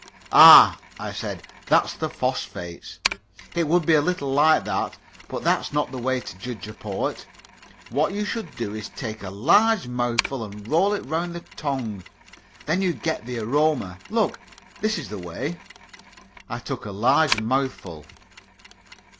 "Ah!" I said, "that's the phosphates. It would be a little like that. But that's not the way to judge a port. What you should do is to take a large mouthful and roll it round the tongue, then you get the aroma. Look: this is the way." I took a large mouthful.